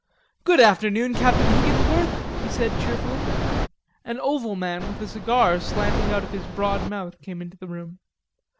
"Good afternoon, Captain Higginsworth," he said cheerfully. An oval man with a cigar slanting out of his broad mouth came into the room.